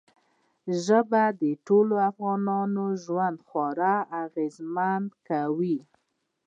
ژبې د ټولو افغانانو ژوند خورا اغېزمن کوي.